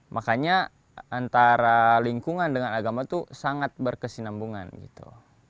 makanya antara lingkungan dengan agama itu sangat berkesinambungan gitu